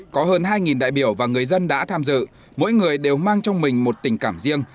có hơn hai đại biểu và người dân đã tham dự mỗi người đều mang trong mình một tình cảm riêng